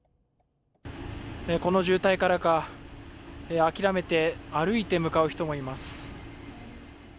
この渋滞からか、諦めて歩いて向かう人もいます。